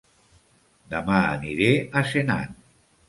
Dema aniré a Senan